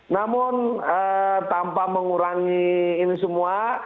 namun tanpa mengurangi ini semua